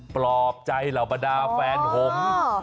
ปลอบใจเหล่าบรรดาแฟนผม